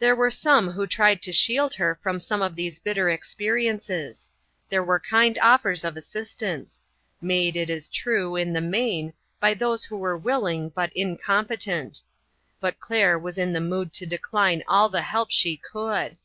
There were some who tried to shield her from some of these bitter experiences. There were kind offers of assistance ; made, it is true, in the main, by those who were will ing, but incompetent ; but Claire was in the mood to decline all the help she could.